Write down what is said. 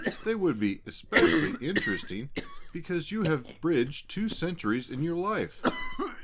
They would be especially interesting because you have bridged two centuries in your life."